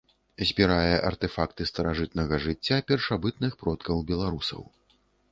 Збірае артэфакты старажытнага жыцця першабытных продкаў беларусаў.